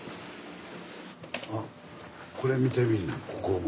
あこれ見てみいなここも。